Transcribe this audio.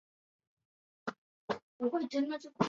马特诺玛瀑布的一个瀑布。